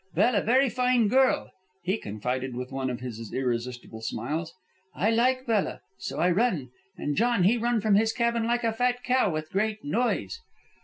Bella very fine girl," he confided with one of his irresistible smiles. "I like Bella. So I run. And John he run from his cabin like a fat cow, with great noise.